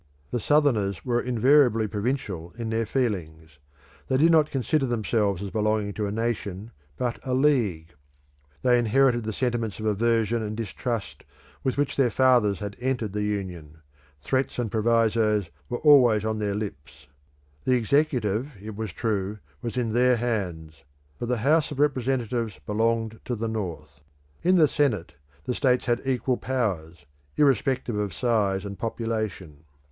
The Southerners were invariably provincial in their feelings; they did not consider themselves as belonging to a nation, but a league; they inherited the sentiments of aversion and distrust with which their fathers had entered the Union; threats and provisos were always on their lips. The executive, it was true, was in their hands, but the House of Representatives belonged to the North. In the Senate the states had equal powers, irrespective of size and population.